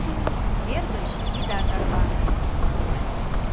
— Вер гыч ида тарване!